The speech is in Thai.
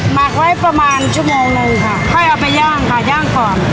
หมักไว้ประมาณชั่วโมงนึงค่ะค่อยเอาไปย่างค่ะย่างก่อน